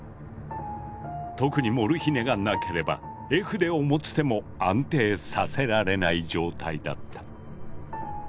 特にモルヒネがなければ絵筆を持つ手も安定させられない状態だった。